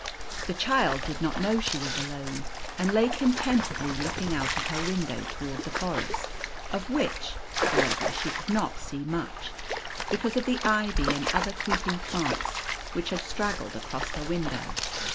The child did not know she was alone, and lay con tentedly looking out of her window towards the forest, of which, however, she could not see much, because of the ivy and other creeping plants which had straggled across her window.